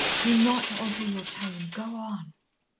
Do not alter your tone. Go on."